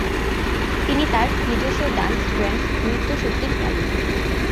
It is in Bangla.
তিনি তাঁর নিজস্ব ডান্স ব্র্যান্ড নৃত্য শক্তির মালিক।